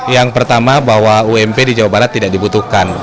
yang pertama bahwa ump di jawa barat tidak dibutuhkan